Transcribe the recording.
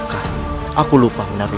saya tidak mau memwat nationsi dan roube